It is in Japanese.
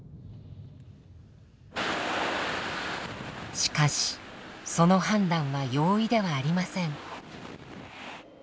しかしその判断は容易ではありません。